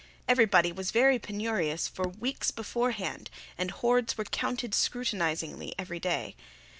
Everybody was very penurious for weeks beforehand and hoards were counted scrutinizingly every day.